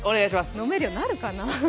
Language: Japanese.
飲めるようになるかな。